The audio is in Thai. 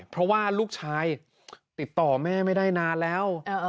เพราะว่าลูกชายติดต่อแม่ไม่ได้นานแล้ว